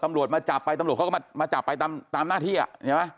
ตำรวจมาจับไปตำรวจเขาก็มาจับไปตามหน้าที่อ่ะใช่ไหม